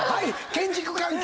建築関係。